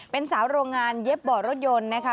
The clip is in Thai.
เป็นสาวโรงงานเย็บบ่อรถยนต์นะคะ